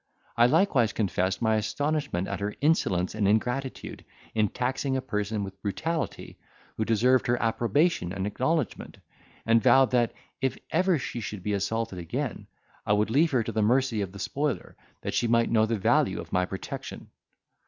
I likewise confessed my astonishment at her insolence and ingratitude in taxing a person with brutality, who deserved her approbation and acknowledgment; and vowed that, if ever she should be assaulted again, I would leave her to the mercy of the spoiler, that she might know the value of my protection.